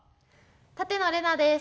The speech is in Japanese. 舘野伶奈です。